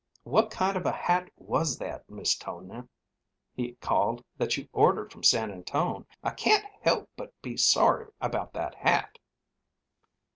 "What kind of a hat was that, Miss Tonia," he called, "that you ordered from San Antone? I can't help but be sorry about that hat."